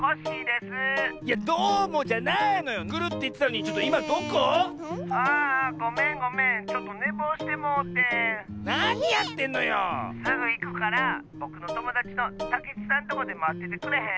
すぐいくからぼくのともだちのたけちさんとこでまっててくれへん？